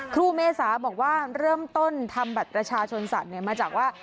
ครูเมษาบอกว่าเริ่มต้นทำบัตรประชาชนสัตว์มาจากว่า